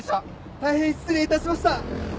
大変失礼いたしました！